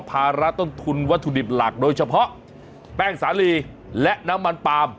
ภาระต้นทุนวัตถุดิบหลักโดยเฉพาะแป้งสาลีและน้ำมันปาล์ม